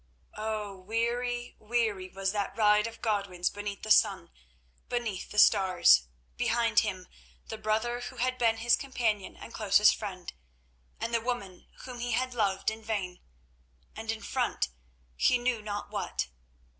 Oh! weary, weary was that ride of Godwin's beneath the sun, beneath the stars. Behind him, the brother who had been his companion and closest friend, and the woman whom he had loved in vain; and in front, he knew not what.